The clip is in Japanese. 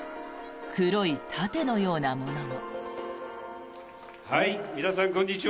黒い盾のようなものも。